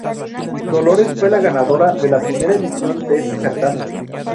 Dolores fue la ganadora de la primera edición de este certamen.